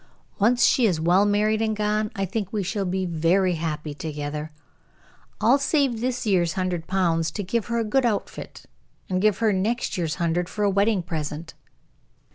Once she is well married and gone, I think we shall be very happy together. I'll save this year's hundred pounds to give her a good outfit, and give her next year's hundred for a wedding present."